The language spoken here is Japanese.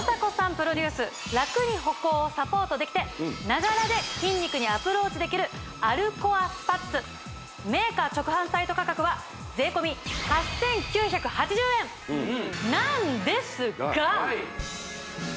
プロデュースラクに歩行をサポートできてながらで筋肉にアプローチできる歩コアスパッツメーカー直販サイト価格は税込８９８０円なんですが今回はなんと